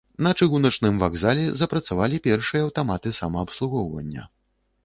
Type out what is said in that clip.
На чыгуначным вакзале запрацавалі першыя аўтаматы самаабслугоўвання.